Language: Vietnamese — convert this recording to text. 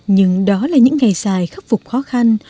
nhưng đó là những ngày dài khắc phục khó khăn